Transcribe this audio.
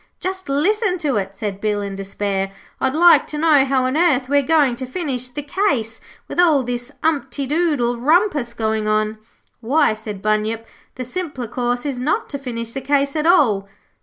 'Just listen to it,' said Bill, in despair. 'I'd like to know how on earth we are going to finish the case with all this umptydoodle rumpus going on.' 'Why,' said Bunyip, 'the simpler course is not to finish the case at all.'